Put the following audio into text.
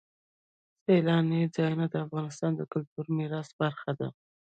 سیلانی ځایونه د افغانستان د کلتوري میراث برخه ده.